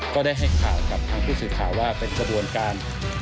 ก็ได้ให้ข่าวกับทางผู้สื่อข่าวว่าเป็นกระบวนการ